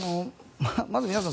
まず皆さん